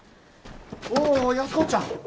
お安子ちゃん。